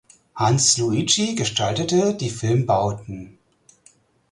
Hans Luigi gestaltete die Filmbauten.